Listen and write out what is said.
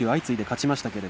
次いで勝ちました。